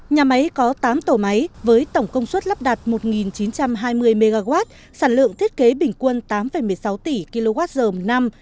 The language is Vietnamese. nhà máy có tám tổ máy với tổng công suất lắp đặt một chín trăm hai mươi mw sản lượng thiết kế bình quân tám một mươi sáu tỷ kwh một năm